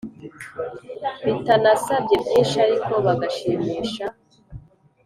bitanasabye byinshi ariko bagashimisha